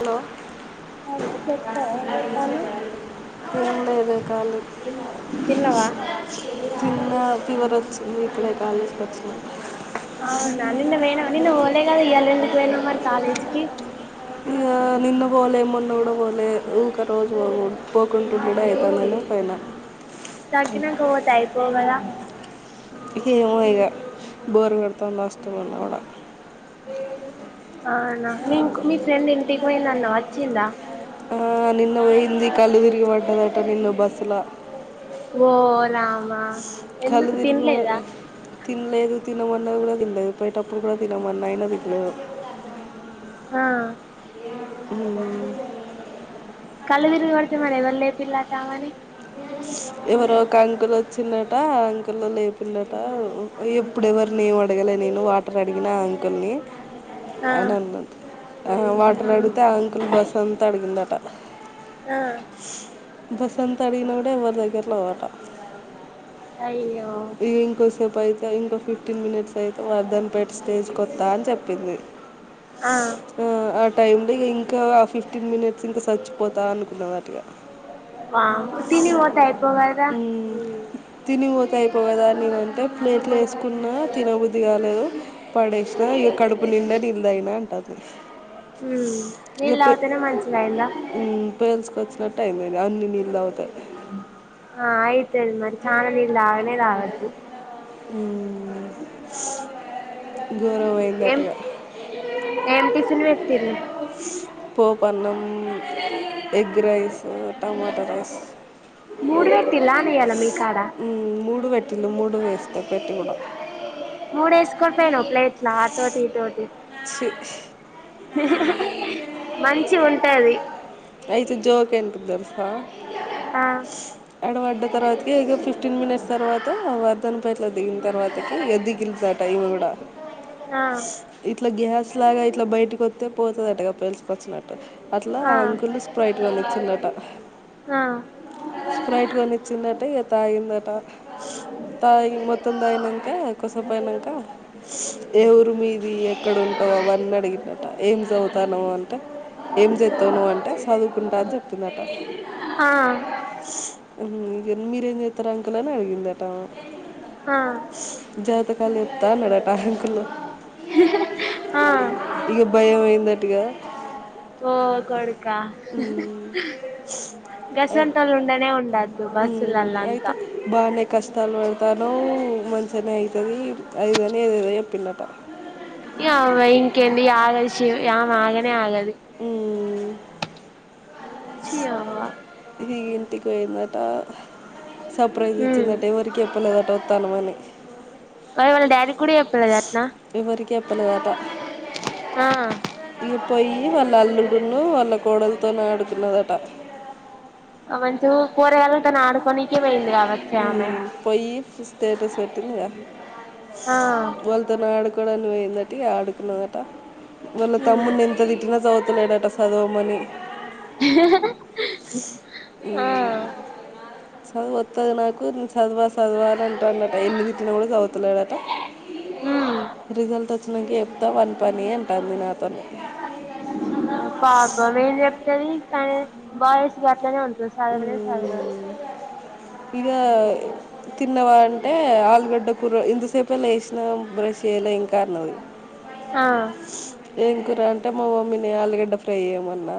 Hello hello చెప్పే ఏ చెత్తానవ్ ఏం లేదే ఖాళీ తిన్నావా నిన్న ఫీవర్ వచ్చింది ఇక్కడే కాలేజ్కి వచ్చిన అవునా నిన్న పొయినవ్ నిన్న పోలే కదా ఇయాలెందుకు పొయినవ్ మరి కాలేజీకి ఆమ్.... నిన్న పోలే మొన్న కూడా పోలే ఇ రోజు పో పోకుంటూ కూడా అవుతా నను ఫైనల్ [inaudible] తగ్గినంక పోతే అయిపోవు కదా ఇగ ఏమో ఇగ బోర్ కోడ్ మొత్తందష్టట్ వళ అడ [unintelligible] అవున మీకు మీ ఫ్రెండ్ ఇంటికి పోయిందన్నవ్ అచ్ వచ్చిందా ఆ నిన్న పోయింది కళ్ళు తిరిగి పడ్డదట నిన్ను బస్సుల మా కల్లుతిరిగినాయ్ గ తిన్ లేదు తినమన్న కూడా తినలేదు పోయేటప్పుడు కూడా తినమన్న అయినా ఇడు [inaudible] ఏ [inaudible] కళ్లు తిరిగి పడితే మరి ఎవరు లేపిన్ లట ఆమెని కలనే [unintelligible] అడిగిన్దట ఎప్పుడెవరిని ఏం అడగలే నేను వాటర్ అడిగిన ఆ అంకుల్ని ఆ అని అన్నది వాటర్ అడిగితే ఆ అంకుల్ బస్ అంతా అడిగిందట ఆ బస్ అంతా అడిగినా కూడా ఎవరి దగ్గ కేరళతోట అయి ఇ ఇంకోసేపుయితే ఇంకా ఫిఫ్టీన్ మినిట్స్ అయి వర్దన్ పెట్టి స్టేజ్కి కొత్తా అని చెప్పింది ఆ ఆ టై లో ఇక ఇంకా ఫిఫ్టీన్ మినిట్స్ ఇంకా సచ్చిపోతా అనుకున్నాం అటుగా వా తని ఓతా అయిపోవదా దా నేనంటే ప్లేట్లు వేసుకున్నా తినబుద్ధది కాలేదు పడేసిన ఇ కడుపు నిండా నిళ్ళదయినా అంటారు అదేశ్ ఉ న ఎలాతేనే మనసలాయింద ది అన్ని నీళ్ళు అవుతాయి ఆ ఆయితు అది మరి చాదింద ఆనేదదు అ గౌరవమందటి ఏం ఏం టిఫిన్ పెట్టి పూ పలం ఎగ్ రైస్ టమాటో రైస్ మూడు పెట్టిల్లానే ఇయ్యాల మీకాడ మూడు వెట్ట తలు మూడు వేస్తే పెట్టుకుడు మూడు వేస్కోపోయిను ప్లేట్లా తోటి తోటి ఛీ మంచి ఉంటది అయితే జోక్ ఎంటటె తెలుసా ఆ ఎడవడ్డ తర్వాతకి ఇక ఫిఫ్టీన్ మినిట్స్ తర్వాత వరదన ప ఇట్లా దిగిన తర్వాతకి ఇక దిగిలుదట ఇవి కూడా ఆ ఇట్లా గ్యాస్ లాగా ఇట్లా బయటకిస్తతే పోతుందట ఇక పలిసుకొచ్చినట్టు అట్లాం ఆ లు స్ప్రైట్గానిచ్చిందట ఆ స్ప్రైట్గానిచ్చిందట్ట ఇక తాగిందట తాగి మొత్తం తాగనాక కొసపో అయినాక ఏ ఊరు మీది ఎక్కడ ఉంటావు అవన్నీ అడిగందట ఏం చదువుతాను అంటే ఏం చేస్తాను అంటే చదువుకుంటా అని చెప్తుందట ఆ మీరేమి చేతరంకుల్ అని అడిగింద ఆ జాతకాలు చెప్తా మడ ట్యాంకులు ఆ ఇక భయం అయిందట్టుగా ఉమ్, అయి- గసంటలు ఉండనే ఉండద్దు బస్సులల్ అంత తను మంచిగానే అయితుది అదిదనే ఏదిద పిన్నట అమ ఇంకెంది ఆగల్ శివ ఆయా మాగనే ఆగల్ ఆ ఓ చ్చయా దంటికియిందట సర్ప్రైజ్ మ్ ఇచ్చిందట్ట ఎవరికి చెప్పలేదట వస్తాను అని చెప్పలేదా ఎవరికి చెప్పలేదటా ఆ ఈ పోయివాళ్ళ అల్లుడును వాళ్ళకి కోడలు తోను ఆడుకున్నదట అంచూ కోరగాల్ తను ఆడుకోనికే వెయిందరా ఊ పోయి స్టేటస్ పెట్టింది గా ఆ వాళ్ళతో ను ఆడుకో డానికి పోయింది మొదటి అడుకునందటా వాళ్ళ ఉమ్ తమ్మున్ని ఎంత తిట్టినా చదువుతలేడట చదవమని ఈ ఆ చదువు వస్తాది నాకు నేను చదువా చదవాలంటాన్నదట ఎన్ని తిట్టిన కూడా చదుతలేడట ఉమ్ రిజల్ట్ వచ్చినంక ఏం చెప్తా వాని పని అంటాంది నాతోనీ పాపం ఏం చెప్తది బాయ్స్ గట్లానే ఉంట ఉమ్ ఇగ తిన్నావా అం అంటే ఆలుగడ్డ కూర ఇంతసేపెలా చేసినా బ్రష్ చేయలే ఇంకా అన్నది ఆ ఏం కూర అంటే మా మమ్మీని ఆలుగడ్డ ఫ్రై చేయమన్నా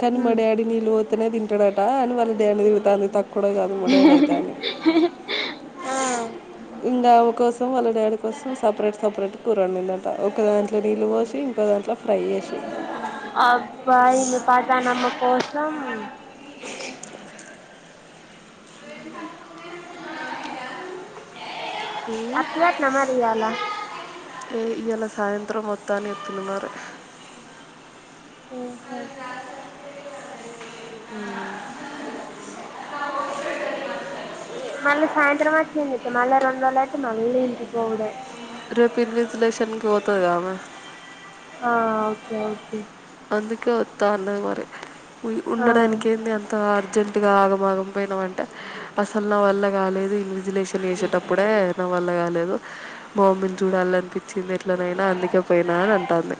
కానీ మా ఉమ్ డాడీ కానీ నీలు తింటాడు అని వాళ్ళ దేని దిగుతాంది తక్కువడ కాదు కూడాేడైతాంది ఆ ఇంకా ఒక మొత్తం వాళ్ళ డాడీ కోసం సపరేట్ సపరేట్ కూర వండింది అంట ఫ్రై చేసి అబ్బాయి మ పాతనమ్మ కోసం అవునా ఈ ఇయాలా సాయంత్రం మొత్తం తానే ఎతున్నాన్నారు ఊ హూ మళ్లీ సాయంత్రం వ మల్ల రెండు రోజులైతే మల్లి ఇంటికి పోవుడే రేపు ఇన్విజిలేషన్కి పోతుంది ఆమె ఆ ఓకే ఓకే అందుకే వత్తా అన్నది మరి ఉయ్ ఆ ఉండడానికి ఏంది అంత అర్జెంట్ ఇంకా ఆగమాగం పోయినాం అంట అసలు నా వల్ల కాలేదు ఇల్లు చూ రిలేషన్ చేసేటప్పుడే నా వల్ల కాలేదు మామ్మని చూడాలనిపించింది ఎట్లనైనా అందుకేపోయినా అని అంటుంది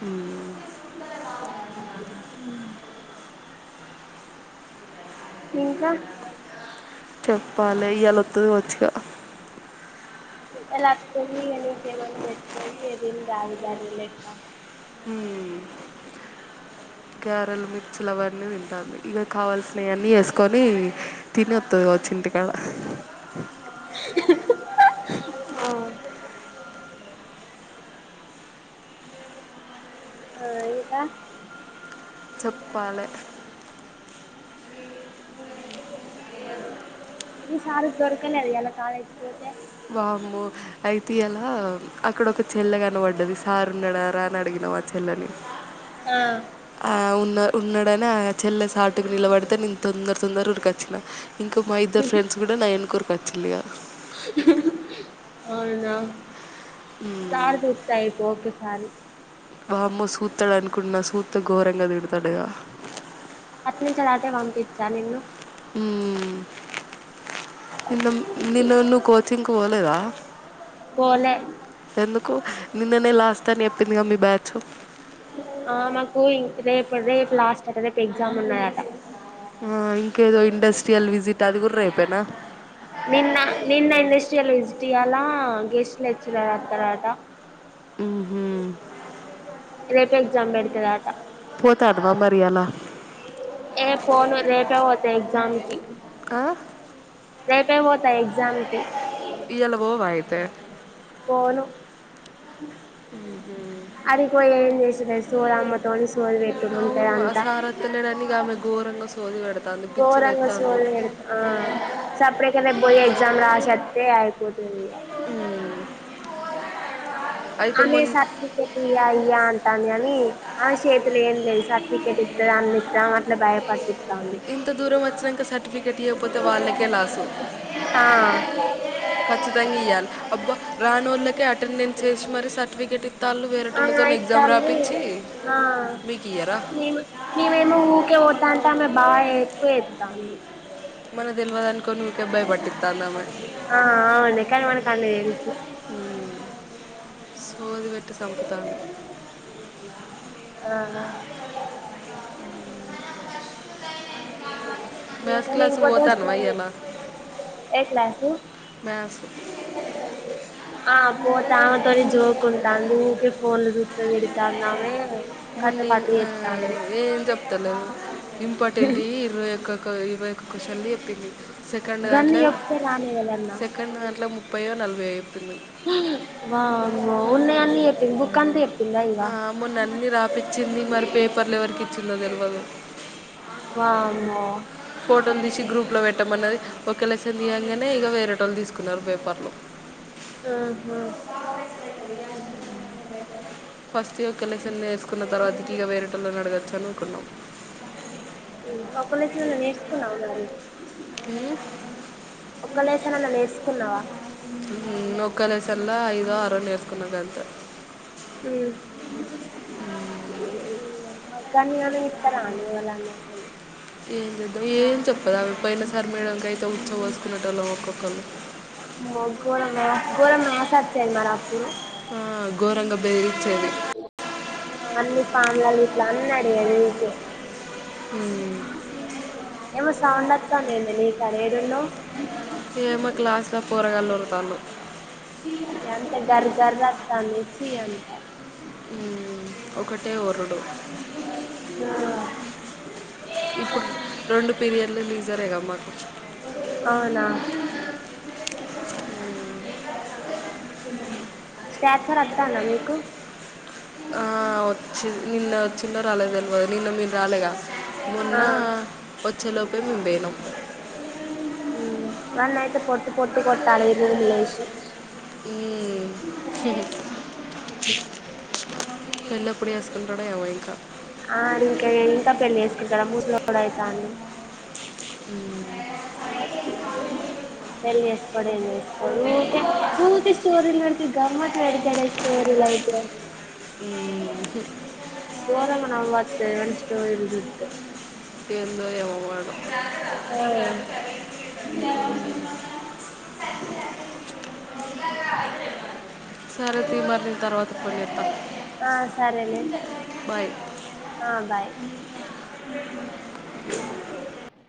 హ అ ఇంకా చెప్పాలి ఇయలొతది కావచ్చిగా అలా అతది నికెమన ఎతది ఇగ తిని తాగు బరలక్క కేరళ మీ చిలవారిని తింటంది ఇది కావల్సినవివన్నీ వేసుకొని తినత్తది వ చిింటకాాల ఆ ఆ ఇంకా చెప్పాలి అ అాల కాలేజ బామ అయితే ఎలా అక్కడ ఒక చెల్ల కన పడ్డది సార్ నడారా అని అడిగినాం ఆ చెల్లని ఆ ఆ ఉన్న ఉన్నడనే ఆ చెల్లె సా ఆటుకు నిీళబడితే నేను తొందర తొందర ఉరికొచ్చిన ఇంకా మా ఇద్దరు ఫ్రెంస్ కూడా నా ఎనకరుచ్చ ఇలి హ్హ్హ్ అవునా హ్మ్. చార్జ అయిపో ఒకసారి వామ్మో సూతడు అనుకున్న సూతే ఘోరంగా తిడతడిగ అట్ నుంచిలా అటే పంపించా నిన్ను ఉ నిన్న నిన్నన్న కోచింగ్ కు పోలేదా పోలే ఎందు నిన్ననే లాస్ట్ అని చెప్పింది క మీ బ్యాచ్ ఆ మాకు రేపు రేపు లాస్ట్ అట రేపు ఎగ్జామ్ ఉన్నాదట ఆ ఇంకేదో ఇండస్ట్రీ యల్ విజిట్ అది కూడా రేపేనా? నిన్న నిన్న ఇండస్ట్రీ ఎలా ఇజ తాలలా గెస్ట్ల వచ్చ రా తర్వాత ఊహ్మ్ రేపల్ జా పెడతుద పోతానవా మరి ఇయ్యాల? ఏ ఫోన్ రేపే పోతే ఎగ్జామ్ ఇ ఆ రైప పోతా జంపి ఇలవో వయితే పోను అదిపోయి ఏం చేసింది స ఆ మ త అవును అసార త లేనిగా ఆమె ఘోరంగా సోది వెడత్ గోరంగ సోళ ఇడుతు ఆ సపడెకంద బ పోయి ఎక్జామ్ రా ఆసత్తతే ఆయి అయితే అమెమె మొన్ సర్టిఫికెట్ ఇ అని అ చేతులు ఏం లేదు సర్టిఫికేట్ ఇస్త అన్ని ఇస్తాం అట్లా భయపట్టిస్తాంది ఇంత దూరం వచ్చినాక సర్టిఫికెట్ ఇవ్వకపోతే వాళ్ళకే లాసు ఆ ఖచ్చితంగా ఇయ్యాలి అబ్బా రానోళ్ళకే అటెండెన్స్ ఏసి మరి సర్టిఫికెట్ ఇత్తల్ ఆ ఆయి అ మీకు ఇయ్యరా నవేను ఊక ఓతా మె బబ ఎక్కు ఎద్దా మన తెలివదన ఆ అవున కానీ మనకు అన్న తెలుసు సోది వ అట్ సమఖతను ఆ మ్యాథ్స్ ఇంకా మీ క్లాస్కి ఇంకొద్ది పోతాన్నవా వస్తాండి ఇయ్యాల ఏ క్లాసు మ్యాథ్స్ ఆ పో తామటి జోక్ ఉంటాంది ఊకే ఫోన్ లో సుతుది ఎతాన్నామే కథ మొన్న పాత ఆ, ఎతాను ఏం చెప్తలేదు ఇంపార్టెంట్ ఇరవయొక్క ఒక ఇవై ఒకషని చెప్పింది సెకండ్ గన్ని దాంట్లో చెప్తే రానే కదన్నా సెకండ్ దాంట్లో ముప్పయో నల వేపులు వా ఉన్న అన్ని చెప్పి బు కంత ఆ మొన్న అన్ని రాపచ్చింది మరి పేపర్ల వరకు ఇచ్చిందో తెలివదు వామ్మో ఫోటోలు తీసి గ్రూప్ లో పెట్టమ అన్నది ఒక ఎలక్షన్ తీయంగానే ఇక వేరేటోళ్ళు తీసుకున్నారు పేపర్లు ఆహా ఫస్ట్ ఇ కలక్షన్ వేసుకున్న తర్వాతక వేరేటలో అడగొచ్చాను కున్నాం ఒకలేచ నన్ను నేర్చుకున్నా ఉన్నారు లెసన్ అన్న నేర్చుకున్నావా నొక్కాల సల్ల ఐదో అర నల కున్నదంత ఉమ్ అగానిన ఇత్తలానే ఎవళ్ళన్న అసలు ఏం చేద్దా ఏం చెప్పది అవిడ పోయిన సారి మేడం ఉత్సవ వసుకునేట ఒక కొ మ గోరంరా గోరం మ సచ్చేది మరిప్పుడు ఆ గోరంగ బేరిచ్చది ఆ అన్ని ఫ్యామిలాలు ఇట్లా అన్నా అ ఏమ సౌండత్తన్న నీ కనీ ఏడన్నా గ పోరగల్లఒరుతల్లు ఎంత గర్ గరతంది చి అంత ఒకటే ఒరుడు ఆ ఇప్పుడు రెండు పీరియడ్లు లెజర్ మకుచ్చం అవునా స్టాచర్ వద్దానా మీకు ఆ వచ్చి నిన్న వ చిన్న రాలే తెలివదు ఆ ఉమ్ వచ్చేలోపే మేము పోయినాం వన్ అయితే పోట్ పొట్టు కొట్టాలి ఈ రూమ్ లేసి ఎల్ప్పుడి తడ వైకా ఆడ్ ఇంకా ఇంకా పెల్ళ్ చేసుకుంటడ మూసులోడు ఐతండు ఉ ఎల్ నేస్కోడ ఎ నేస్కో ఊకె ఊకె స్టోరిల్ నత గమ్మత్ వెడతడ స్టోరిల్ అయితే ఈ దోరమన పత వెసిట్ట్ ఏందో ఏమో వాడు సరే తీ మరి నేను తర్వాత ఫోన్ చేస్తా ఆ ఆ సరేనే బాయ్ ఆ బాయ్